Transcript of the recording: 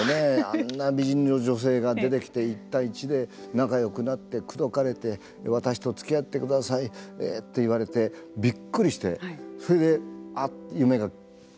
あんな美人の女性が出てきて１対１で仲よくなって口説かれて私とつきあってくださいって言われてびっくりしてそれで夢が消えるわけですよね。